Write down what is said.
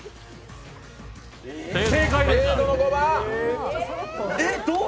正解です。